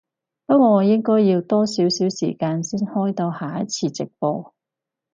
不過我應該要多少少時間先開到下一次直播